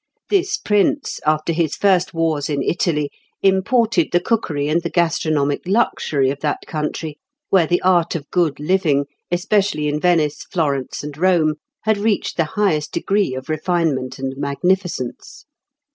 This prince, after his first wars in Italy, imported the cookery and the gastronomic luxury of that country, where the art of good living, especially in Venice, Florence, and Rome, had reached the highest degree of refinement and magnificence.